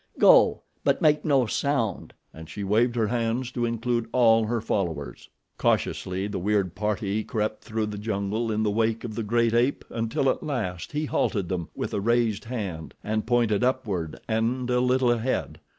Go; but make no sound!" and she waved her hands to include all her followers. Cautiously the weird party crept through the jungle in the wake of the great ape until at last he halted them with a raised hand and pointed upward and a little ahead.